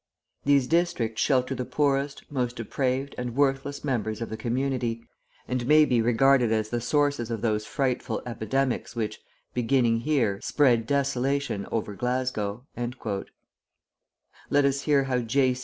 These districts shelter the poorest, most depraved, and worthless members of the community, and may be regarded as the sources of those frightful epidemics which, beginning here, spread desolation over Glasgow." Let us hear how J.